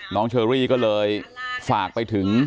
เชอรี่ก็เลยฝากไปถึง